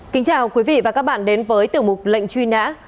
kính chào quý vị và các bạn đến với tiểu mục lệnh truy nã